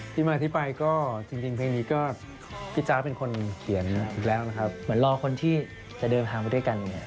ที่มาที่ไปก็จริงเพลงนี้ก็พี่จ๊ะเป็นคนเขียนอีกแล้วนะครับเหมือนรอคนที่จะเดินทางไปด้วยกันเนี่ย